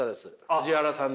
藤原さん？